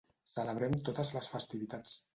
celebrem totes les festivitats